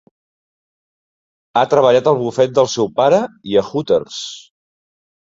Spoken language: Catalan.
Ha treballat al bufet del seu pare i a Hooters.